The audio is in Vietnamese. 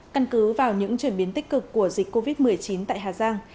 căn cứ vào những chuyển biến tích cực của dịch covid một mươi chín tại hà giang